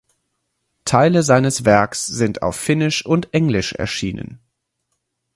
Teile seines Werks sind auf Finnisch und Englisch erschienen.